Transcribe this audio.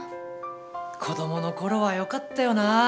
子どものころはよかったよな。